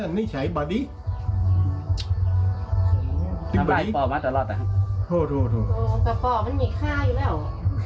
โอ้แต่พ่อมันมีค่าอยู่แล้ว